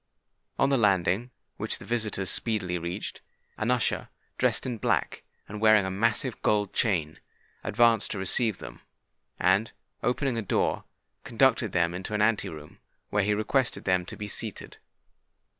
On the landing which the visitors speedily reached, an usher, dressed in black, and wearing a massive gold chain, advanced to receive them; and, opening a door, conducted them into an ante room, where he requested them to be seated.